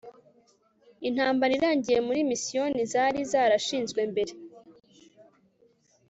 intambara irangiye muri misiyoni zari zarashinzwe mbere